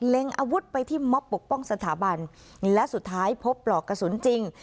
อาวุธไปที่ม็อบปกป้องสถาบันและสุดท้ายพบปลอกกระสุนจริง